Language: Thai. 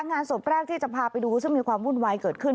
งานศพแรกที่จะพาไปดูซึ่งมีความวุ่นวายเกิดขึ้น